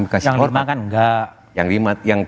yang lima kan enggak